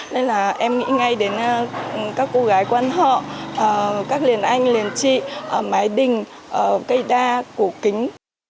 nên là em nghĩ ngay đến các cô gái quan họ các liền anh liền chị ở mái đình cây đa cổ kính